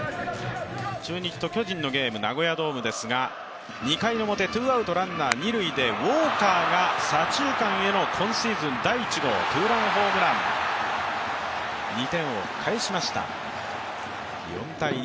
中日と巨人のゲーム、ナゴヤドームですが２回表ツーアウト、ランナー二塁でウォーカーが左中間への今シーズン第１号ツーランホームラン２点を返しました、４−２。